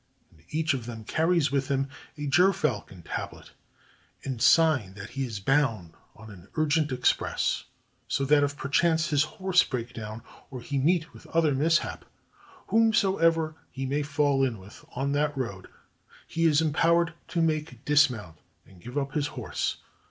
And each of them carries with him a gerfalcon tablet, in sign that he is bound on an urgent express; so that if perchance his horse break down or he meet with other mishap, whomsoever he may fall in with on the road, he is empowered to make dismount and give up his horse.